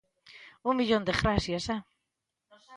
"Un millón de grazas, eh".